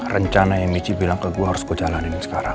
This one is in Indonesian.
rencana yang michi bilang ke gue harus ku jalanin sekarang